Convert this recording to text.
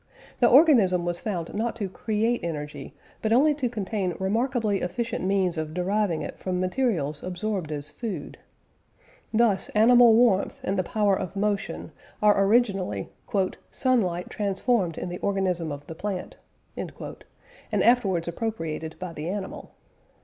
The organism was found not to create energy, but only to contain remarkably efficient means of deriving it from materials absorbed as food. Thus animal warmth and the power of motion are originally "sunlight transformed in the organism of the plant," and afterwards appropriated by the animal.